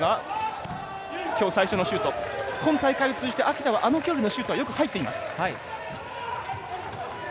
今大会通じて秋田はあの距離のシュートはよく入っています。